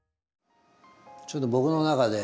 ちょっと僕の中で。